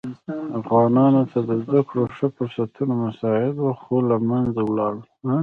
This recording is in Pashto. افغانانو ته د زده کړو ښه فرصتونه مساعد وه خو له منځه ولاړل.